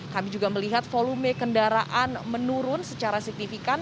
kami juga melihat volume kendaraan menurun secara signifikan